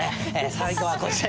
最後はこちら。